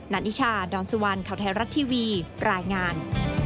นิชาดอนสุวรรณข่าวไทยรัฐทีวีรายงาน